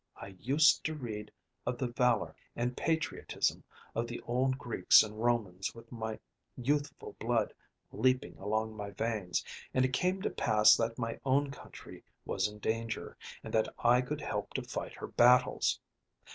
I used to read of the valor and patriotism of the old Greeks and Romans with my youthful blood leaping along my veins, and it came to pass that my own country was in danger, and that I could help to fight her battles.